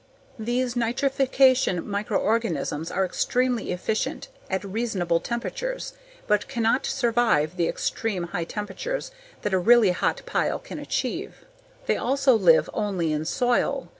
These nitrification microorganisms are extremely efficient at reasonable temperatures but cannot survive the extreme high temperatures that a really hot pile can achieve. They also live only in soil.